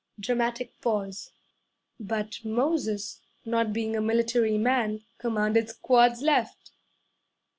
(Dramatic pause.) 'But Moses not being a military man commanded, "Squads left!"